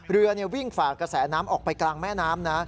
เรือวิ่งฝ่ากระแสน้ำออกไปกลางแม่น้ำนะ